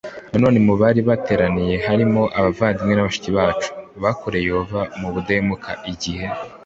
Nanone mu bari bateranye harimo abavandimwe na bashiki bacu bakoreye Yehova mu budahemuka igihe